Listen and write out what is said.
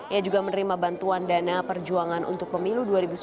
ia juga menerima bantuan dana perjuangan untuk pemilu dua ribu sembilan belas